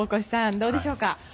どうでしょうか。